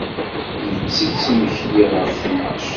Nettett imekli ɣef ttnac.